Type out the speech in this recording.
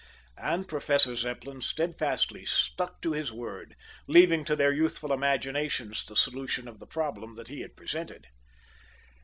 And Professor Zepplin steadfastly stuck to his word, leaving to their youthful imaginations the solution of the problem that he had presented.